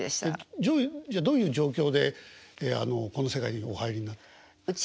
どういう状況でこの世界にお入りになったんですか？